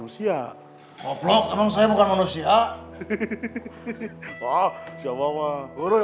saya mau izin keluar dulu ya